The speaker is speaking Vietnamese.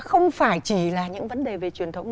không phải chỉ là những vấn đề về truyền thống